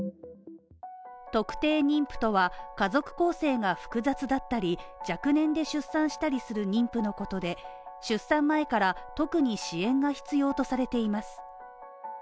特定妊婦とは、家族構成が複雑だったり若年で出産したりする妊婦のことで出産前から特に支援が必要とされています。